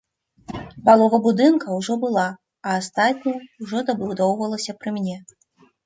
Палова будынка ўжо была, а астатняе ўжо дабудоўвалася пры мне.